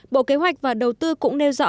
bộ kế hoạch và đầu tư cũng nêu rõ